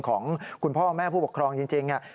ของคุณพ่อแม่ผู้ปกครองจริง